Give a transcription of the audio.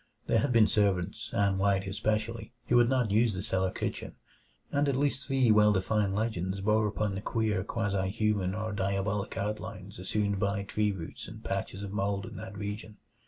There had been servants Ann White especially who would not use the cellar kitchen, and at least three well defined legends bore upon the queer quasi human or diabolic outlines assumed by tree roots and patches of mold in that region.